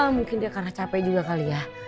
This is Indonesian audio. mungkin dia karena capek juga kali ya